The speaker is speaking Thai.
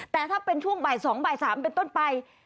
แต่ถ้าเป็นช่วงบ่าย๒บ่าย๓เป็นต้นไป